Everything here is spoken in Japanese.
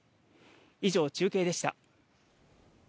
以上、中継でした。